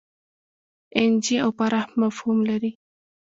اېن جي او پراخ مفهوم لري.